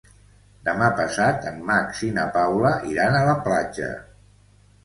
Demà passat en Max i na Paula iran a la platja.